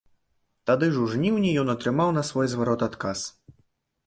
Тады ж у жніўні ён атрымаў на свой зварот адказ.